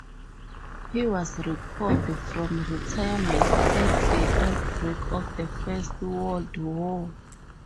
He was recalled from retirement at the outbreak of the First World War.